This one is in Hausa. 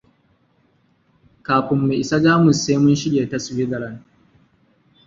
Kafin mu isa Jamus sai mun shige ta Switzerland.